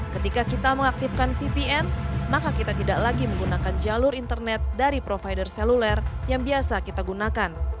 ketika kita mengaktifkan vpn maka kita tidak lagi menggunakan jalur internet dari provider seluler yang biasa kita gunakan